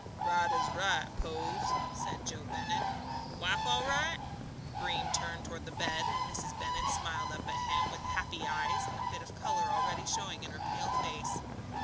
"Right as right, Pose," said Joe Bennett. "Wife all right?" Breem turned toward the bed, and Mrs. Bennett smiled up at him with happy eyes, and with a bit of colour already showing in her pale face.